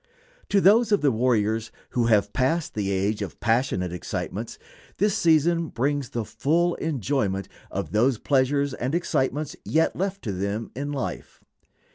To those of the warriors who have passed the age of passionate excitements, this season brings the full enjoyment of those pleasures and excitements yet left to them in life.